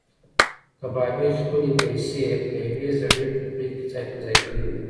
کبابي خپلې پیسې په یوې زړې ټوکرۍ کې ځای پر ځای کړې وې.